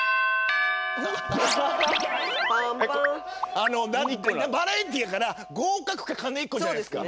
あのバラエティーやから合格か鐘１個じゃないですか。